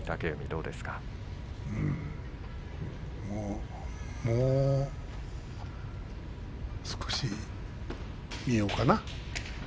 うーんもう少し見ようかな。